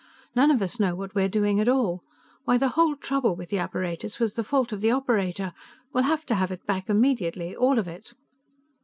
None of us know what we're doing at all. Why the whole trouble with the apparatus was the fault of the operator. We'll have to have it back immediately, all of it."